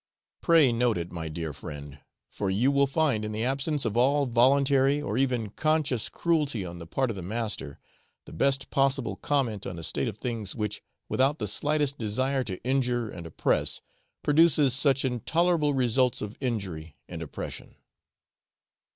Pray note it, my dear friend, for you will find, in the absence of all voluntary or even conscious cruelty on the part of the master, the best possible comment on a state of things which, without the slightest desire to injure and oppress, produces such intolerable results of injury and oppression.